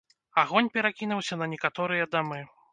Агонь перакінуўся на некаторыя дамы.